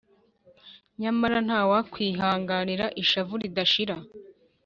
nyamara nta wakwihanganira ishavu ridashira.